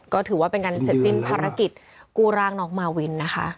ก็ถือว่าเป็นการเสร็จสิ้นภารกิจกู้ร่างน้องมาวินนะคะ